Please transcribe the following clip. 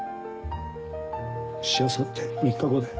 しあさって３日後だよ。